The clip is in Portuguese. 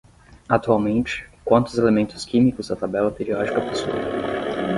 Atualmente, quantos elementos químicos a tabela periódica possui?